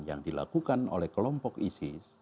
yang dilakukan oleh kelompok isis